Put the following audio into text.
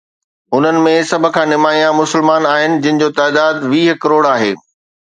انهن ۾ سڀ کان نمايان مسلمان آهن، جن جو تعداد ويهه ڪروڙ آهي.